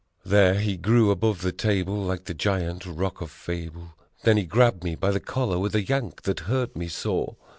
There he grew above the table, like the giant Roc of fable Then he grabbed me by the collar with a yank that hurt me sore.